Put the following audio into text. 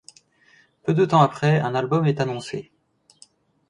Peu de temps après, un album est annoncé.